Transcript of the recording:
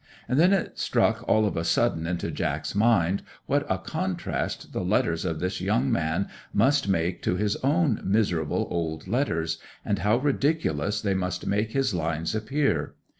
And then it struck all of a sudden into Jack's mind what a contrast the letters of this young man must make to his own miserable old letters, and how ridiculous they must make his lines appear.